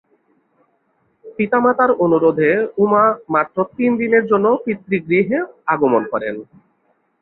পিতা-মাতার অনুরোধে উমা মাত্র তিনদিনের জন্য পিতৃগৃহে আগমন করেন।